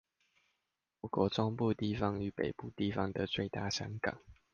我國中部地方和北部地方的最大商港